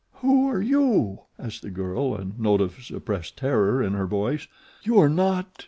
"Who are you?" asked the girl, a note of suppressed terror in her voice. "You are not